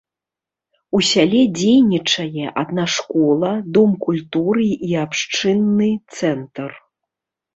У сяле дзейнічае адна школа, дом культуры і абшчынны цэнтр.